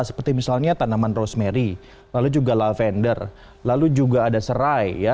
seperti misalnya tanaman rosemary lalu juga lavender lalu juga ada serai ya